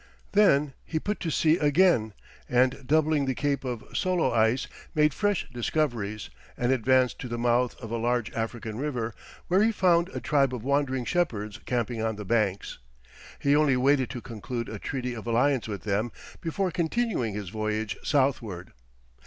Then he put to sea again, and doubling the cape of Soloïs, made fresh discoveries, and advanced to the mouth of a large African river, where he found a tribe of wandering shepherds camping on the banks. He only waited to conclude a treaty of alliance with them, before continuing his voyage southward.